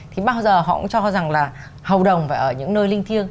thì bao giờ họ cũng cho rằng là hầu đồng phải ở những nơi linh thiêng